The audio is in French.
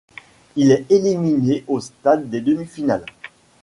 Il est éliminé au stade des demi-finales.